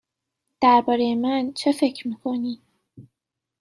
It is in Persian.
درباره من چه فکر می کنی؟